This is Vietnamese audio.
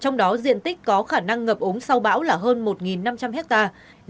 trong đó diện tích có khả năng ngập ống sau bão là hơn một năm trăm linh hectare